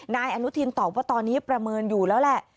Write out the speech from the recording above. นายอนุทินตอบว่าตอนนี้ประเมินอยู่แล้วแหละ